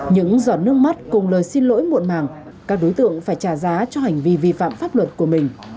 những giọt nước mắt cùng lời xin lỗi muộn màng các đối tượng phải trả giá cho hành vi vi phạm pháp luật của mình